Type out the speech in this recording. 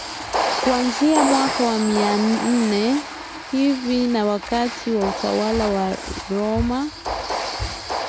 Kuanzia mwaka wa mia nne hivi na wakati wa utawala wa Roma